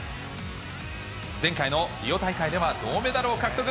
前回のリオ大会では銅メダルを獲得。